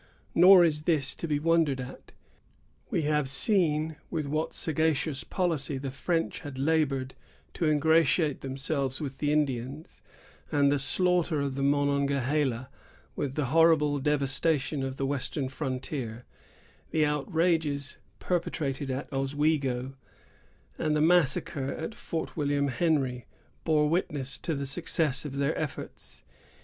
Nor is this to be wondered at. We have seen with what sagacious policy the French had labored to ingratiate themselves with the Indians; and the slaughter of the Monongahela, with the horrible devastation of the western frontier, the outrages perpetrated at Oswego, and the massacre at Fort William Henry, bore witness to the success of their efforts.